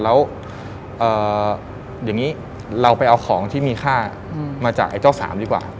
แล้วอย่างนี้เราไปเอาของที่มีค่ามาจากไอ้เจ้าสามดีกว่า